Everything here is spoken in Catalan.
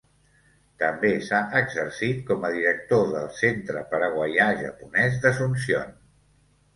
També s'ha exercit com a Director del Centre Paraguaià Japonès d'Asunción.